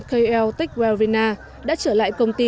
kl texuelvina đã trở lại công ty